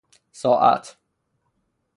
ساعت